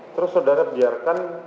terus saudara biarkan